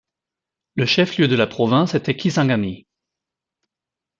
Le chef-lieu de la province était Kisangani.